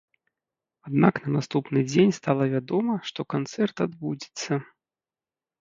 Аднак на наступны дзень стала вядома, што канцэрт адбудзецца.